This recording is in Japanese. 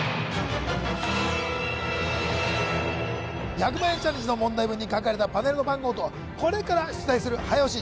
１００万円チャレンジの問題文に書かれたパネルの番号とこれから出題する早押し